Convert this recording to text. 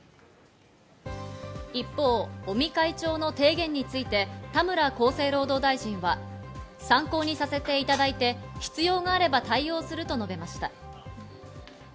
一方、尾身会長の提言について田村厚生労働大臣は、参考にさせていただいて、必要があれば対応すると述べました。